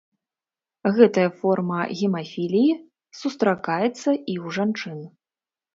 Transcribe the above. Гэтая форма гемафіліі сустракаецца і ў жанчын.